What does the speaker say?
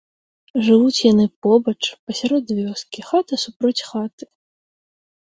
Жывуць яны побач, пасярод вёскі, хата супроць хаты.